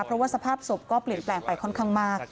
เพราะว่าสภาพศพก็เปลี่ยนแปลงไปค่อนข้างมาก